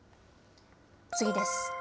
次です。